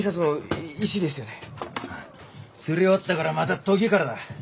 刷り終わったからまた研ぎからだ。